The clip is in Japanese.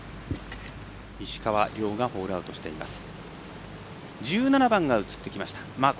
石川遼がホールアウトしました。